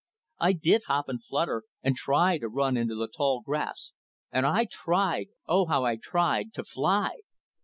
I did hop and flutter and try to run into the tall grass, and I tried oh! how I tried to fly.